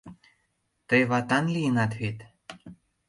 — Тый ватан лийынат вет?